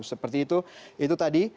seperti itu tadi